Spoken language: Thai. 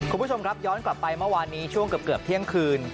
คุณผู้ชมครับย้อนกลับไปเมื่อวานนี้ช่วงเกือบเที่ยงคืน